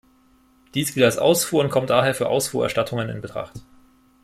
Dies gilt als Ausfuhr und kommt daher für Ausfuhrerstattungen in Betracht.